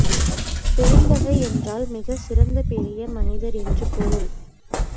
பெருந்தகை என்றால் மிகச் சிறந்த பெரிய மனிதர் என்று பொருள்.